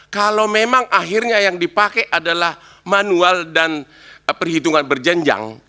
kalau memang akhirnya yang dipakai adalah manual dan perhitungan berjenjang